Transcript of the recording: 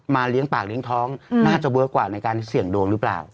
เลี้ยงปากเลี้ยงท้องน่าจะเวิร์คกว่าในการเสี่ยงดวงหรือเปล่า